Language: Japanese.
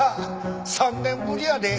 ３年ぶりやで。